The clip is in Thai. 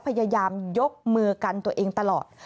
พยายามยกมือกันตัวเองตลอด